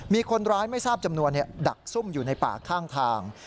มีคนร้ายไม่ทราบจำนวนดักซุ่มอยู่ในป่าข้างทาง